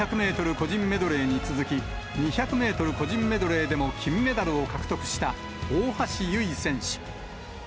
個人メドレーに続き、２００メートル個人メドレーでも金メダルを獲得した大橋悠依選手。